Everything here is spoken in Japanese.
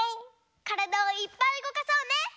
からだをいっぱいうごかそうね！